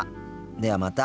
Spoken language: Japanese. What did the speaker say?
ではまた。